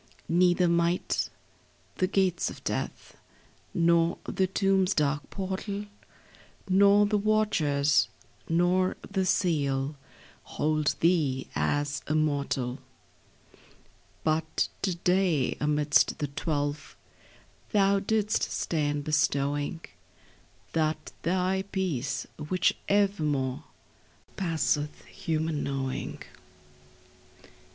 Neither might the gates of death, Nor the tomb's dark portal, Nor the watchers, nor the seal, Hold thee as a mortal ; But to day amidst the twelve Thou didst stand bestowing That thy peace, which evermore Passeth human knowing.